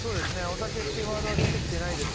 「お酒」っていうワードは出てきてないですし